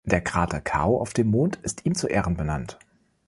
Der Krater Kao auf dem Mond ist ihm zu Ehren benannt.